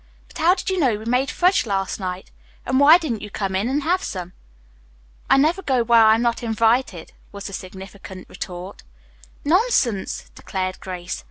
But how did you know we made fudge last night, and why didn't you come in and have some?" "I never go where I am not invited," was the significant retort. "Nonsense!" declared Grace.